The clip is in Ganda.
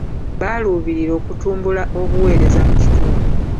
Baaluubirira okutumbula obuweereza mu kitundu.